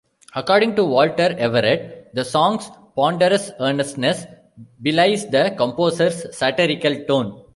According to Walter Everett, the song's ponderous earnestness ... belies the composer's satirical tone.